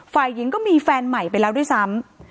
ฝ่ายหญิงก็มีแฟนใหม่ไปแล้วด้วยซ้ำ